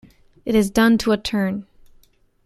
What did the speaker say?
It is done to a turn.